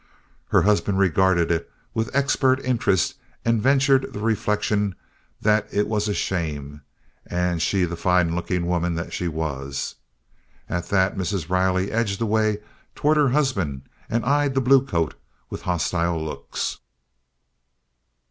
Her husband regarded it with expert interest and ventured the reflection that it was a shame, and she the fine looking woman that she was! At that Mrs. Riley edged away toward her husband and eyed the bluecoat with hostile looks.